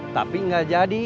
tapi gak jadi